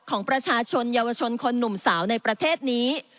ของประชาชนเยาวชนคนหนุ่มสาวในประเทศนี้